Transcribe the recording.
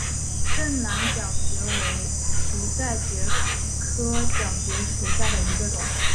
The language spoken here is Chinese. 滇南角蕨为蹄盖蕨科角蕨属下的一个种。